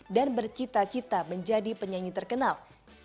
dan bercita cita menjadi penyanyi terkenal